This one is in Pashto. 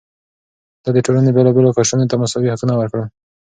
ده د ټولنې بېلابېلو قشرونو ته مساوي حقونه ورکړل.